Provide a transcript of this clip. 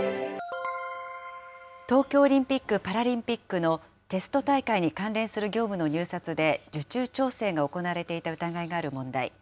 東京オリンピック・パラリンピックのテスト大会に関連する業務の入札で、受注調整が行われていた疑いがある問題。